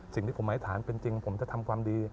สิ่งที่ผมอธิษฐานเป็นจริงผมจะทำความดี